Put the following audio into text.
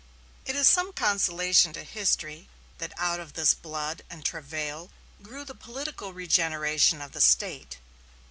It is some consolation to history, that out of this blood and travail grew the political regeneration of the State.